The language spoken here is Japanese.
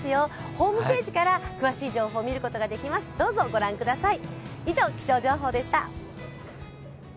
ホームページから詳しい情報を見ることができます、どうぞご覧ください。